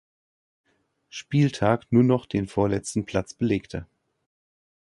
Spieltag nur noch den vorletzten Platz belegte.